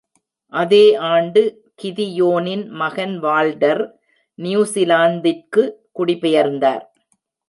அதே ஆண்டு, கிதியோனின் மகன் வால்டர் நியூசிலாந்திற்கு குடிபெயர்ந்தார்.